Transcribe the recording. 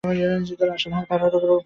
আসলে, হ্যাঁ, তাড়াহুড়োর প্রয়োজন নেই।